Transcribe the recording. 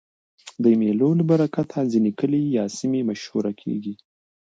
د مېلو له برکته ځيني کلي یا سیمې مشهوره کېږي.